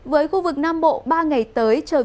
với khu vực nam bộ ba ngày tới